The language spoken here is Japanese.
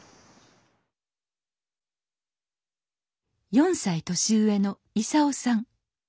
４歳年上の勲さん。